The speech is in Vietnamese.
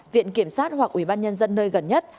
viện kiểm sát hoặc ủy ban nhân dân nơi gần nhất